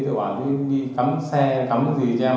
thì tôi bảo đi cắm xe cắm cái gì cho em